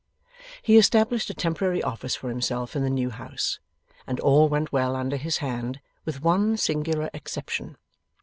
He established a temporary office for himself in the new house, and all went well under his hand, with one singular exception.